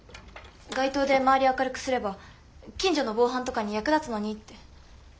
外灯で周りを明るくすれば近所の防犯とかに役立つのにって。